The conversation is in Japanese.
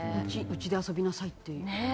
家で遊びなさいっていうの？